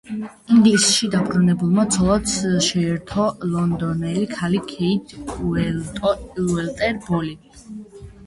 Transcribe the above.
ინგლისში დაბრუნებულმა ცოლად შეირთო ლონდონელი ქალი ქეით უოლტერ ბოლი.